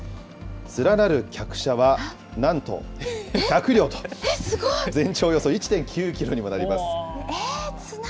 連なる客車はなんと１００両と、全長およそ１．９キロにもなります。